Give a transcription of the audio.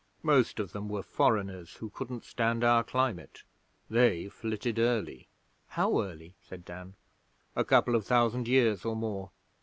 Most of them were foreigners who couldn't stand our climate. They flitted early.' 'How early?' said Dan. 'A couple of thousand years or more.